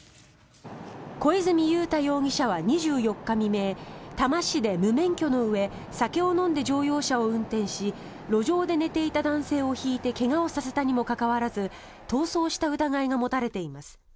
小泉雄多容疑者は２４日未明多摩市で無免許のうえ酒を飲んで乗用車を運転し路上に寝ていた男性をひいて怪我をさせたにもかかわらず逃走した疑いが持たれています。